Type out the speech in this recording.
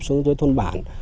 xuống dưới thôn bản